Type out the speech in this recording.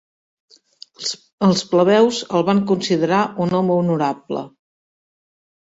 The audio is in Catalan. Els plebeus el van considerar un home honorable.